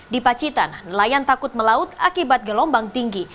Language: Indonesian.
di pacitan nelayan takut melaut akibat gelombang tinggi